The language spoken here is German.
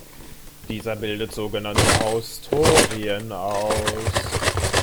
Dieser bildet so genannte Haustorien aus.